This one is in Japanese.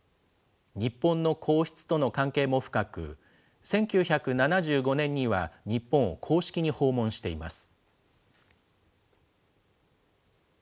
日本の皇室との関係も深く、１９７５年には日本を公式に訪問しています。